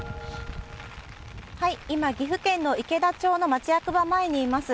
今、岐阜県の池田町の町役場前にいます。